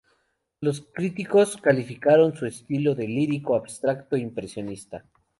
Los críticos calificaron su estilo de "lírico abstracto impresionista".